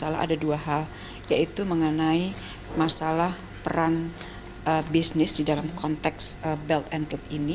ada dua hal yaitu mengenai masalah peran bisnis di dalam konteks belt and road ini